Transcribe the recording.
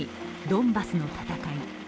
ドンバスの戦い。